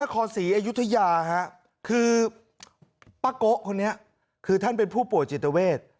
คอศรีอยุธยาฮะคือป้าโกะคนนี้คือท่านเป็นผู้ป่วยจิตเวท